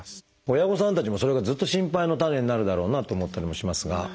親御さんたちもそれがずっと心配の種になるだろうなと思ったりもしますが。